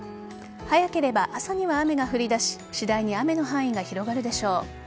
早ければ朝には雨が降り出し次第に雨の範囲が広がるでしょう。